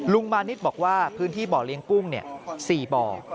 ลุงมานิดบอกว่าพื้นที่บ่อเลี้ยงปุ้งเนี่ย๔บ่อ